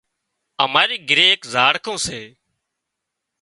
اماري گھري ايڪ زاڙکون سي